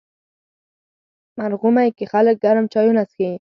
مرغومی کې خلک ګرم چایونه څښي.